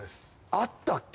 あったっけ？